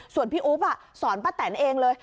ส่วนพี่อุ๊บสอนป้าแตนเองเลย